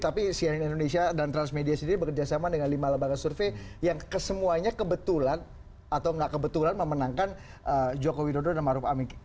tapi cnn indonesia dan transmedia sendiri bekerjasama dengan lima lembaga survei yang kesemuanya kebetulan atau nggak kebetulan memenangkan joko widodo dan maruf amin